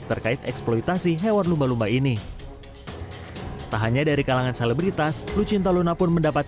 terkait eksploitasi hewan lumba lumba ini tak hanya dari kalangan selebritas lucinta luna pun mendapat